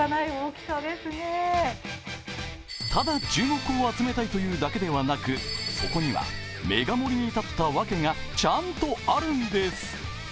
ただ注目を集めたいというだけではなく、そこにはメガ盛りに至ったわけがちゃんとあるんです。